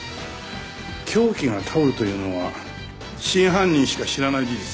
凶器がタオルというのは真犯人しか知らない事実。